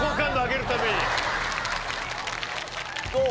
どう？